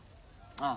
ああ！